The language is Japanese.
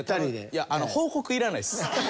いや報告いらないです。